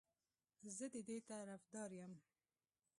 زه د دې طرفدار یم